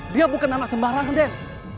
dia bukan anak sembarangan dek